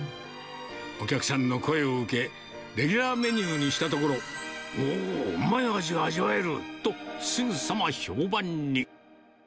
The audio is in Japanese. お客さんの声を受け、レギュラーメニューにしたところ、おお、うまいアジが味わえるとすぐさま評判に。